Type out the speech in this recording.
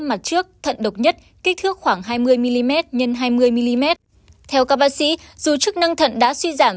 mặt trước thận độc nhất kích thước khoảng hai mươi mm x hai mươi mm theo các bác sĩ dù chức năng thận đã suy giảm